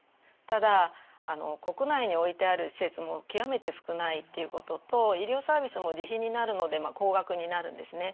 ただ国内に置いてある施設も極めて少ないっていうことと医療サービスも自費になるので高額になるんですね。